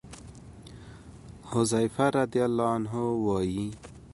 حذيفه رضي الله عنه وايي: